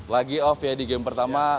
lagi off ya di game pertama